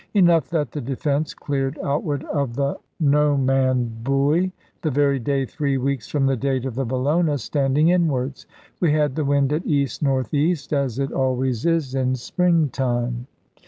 Enough that the Defence cleared outward of the No man buoy, the very day three weeks from the date of the Bellona standing inwards. We had the wind at E.N.E., as it always is in spring time.